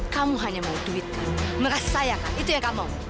kamu hanya mau duit kan merasakan itu yang kamu mau